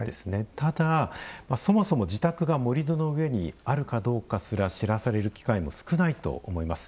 ただ、そもそも自宅が盛土の上にあるかどうかすら知らされる機会も少ないと思います。